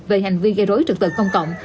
về hành vi gây rối trực tực công cộng